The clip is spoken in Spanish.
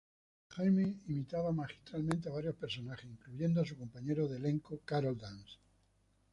Jaime imitaba magistralmente a varios personajes, incluyendo a su compañero de elenco, Karol Dance.